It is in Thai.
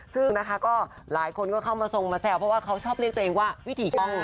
ซึ่งนะคะก็หลายคนก็เข้ามาทรงมาแซวเพราะว่าเขาชอบเรียกตัวเองว่าวิถีป้อง